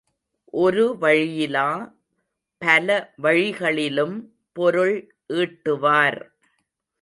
ஒரு வழியிலா, பல வழிகளிலும் பொருள் ஈட்டுவார்.